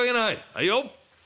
「はいよ！